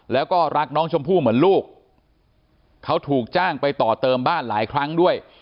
แล้วก็รักน้องชมพู่เหมือนลูกเขาถูกจ้างไปต่อเติมบ้านหลายครั้งด้วย